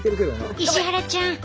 石原ちゃん